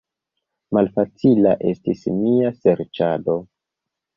Malfacila estis mia serĉado.